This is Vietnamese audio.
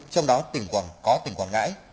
trong đó tỉnh quảng có tỉnh quảng ngãi